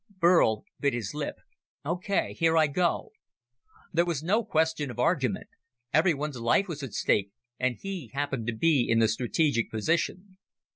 Burl bit his lip. "Okay. Here I go." There was no question of argument. Everyone's life was at stake, and he happened to be in the strategic position.